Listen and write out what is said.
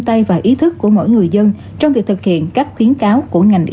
khi có dấu hiệu của mỗi người dân trong việc thực hiện các khuyến cáo của ngành y tế